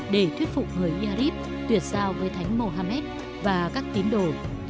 để thuyết phục người yarib tuyệt sao với thánh muhammad và các tín đồ